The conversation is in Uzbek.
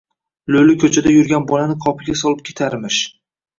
Lo‘li ko‘chada yurgan bolani qopiga solib ketarmish.